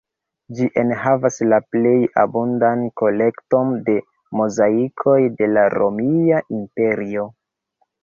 Ĝi enhavas la plej abundan kolekton de mozaikoj de la romia imperio.